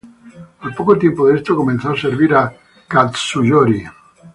Al poco tiempo de esto, comenzó a servir a Katsuyori.